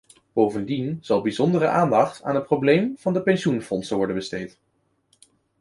Bovendien zal bijzondere aandacht aan het probleem van de pensioenfondsen worden besteed.